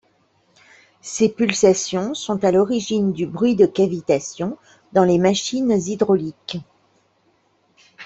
Ces pulsations sont à l'origine du bruit de cavitation dans les machines hydrauliques.